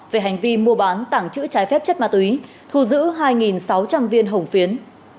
về hành vi mua bán tảng chữ trái phép chất ma túy thu giữ hai sáu trăm linh viên hồng phiến